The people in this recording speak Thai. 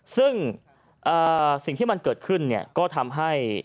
ซึ่งสิ่งที่มันเกิดขึ้นก็ทำให้